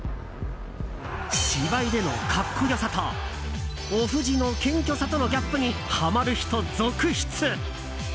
芝居での格好良さとオフ時の謙虚さとのギャップにハマる人続出。